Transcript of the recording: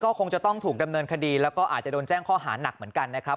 ก็คงจะต้องถูกดำเนินคดีแล้วก็อาจจะโดนแจ้งข้อหานักเหมือนกันนะครับ